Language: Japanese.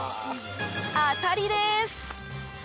当たりです。